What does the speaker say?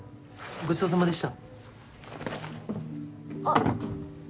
ごちそうさまでした。